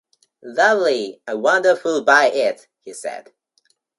“Lovely!” “I wonder who’ll buy it!” he said.